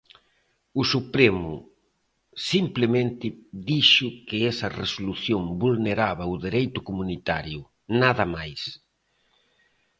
O Supremo simplemente dixo que esa resolución vulneraba o dereito comunitario, nada máis.